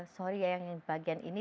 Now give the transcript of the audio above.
sorry yang bagian ini